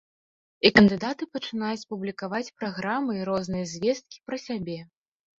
І кандыдаты пачынаюць публікаваць праграмы і розныя звесткі пра сябе.